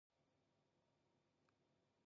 この課題まだ終わってないの？